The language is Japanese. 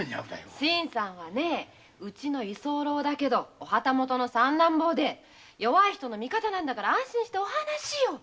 新さんはねうちの居候だけどお旗本の三男坊で弱い人の味方なんだから安心してお話しよ。